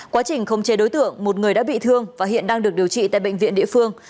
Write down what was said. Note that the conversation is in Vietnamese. quá trình không chê đối tượng một người đã bị thương và hiện đang được điều trị tại bệnh viện địa phương